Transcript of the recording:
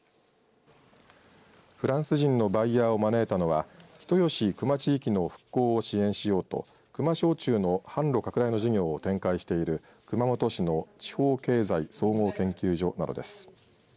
フランス人のバイヤーを招いたのは人吉球磨地域の復興を支援しようと球磨焼酎の販路拡大の事業を展開している熊本市の地方経済総合研究所などです。